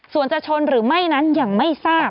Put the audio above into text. ส่วนจะชนหรือไม่นั้นยังไม่ทราบ